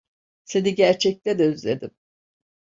Seni gerçekten özledim.